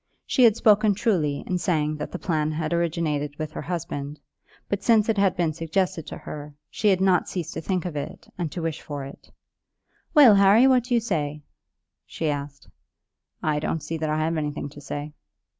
She had spoken truly in saying that the plan had originated with her husband; but since it had been suggested to her, she had not ceased to think of it, and to wish for it. "Well, Harry, what do you say?" she asked. "I don't see that I have anything to say."